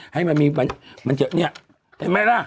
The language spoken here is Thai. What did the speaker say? ให้มันมีมันเยอะเนี่ยเห็นไหมล่ะ